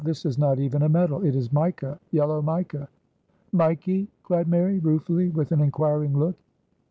This is not even a metal. It is mica yellow mica. "Mikee?" cried Mary, ruefully, with an inquiring look.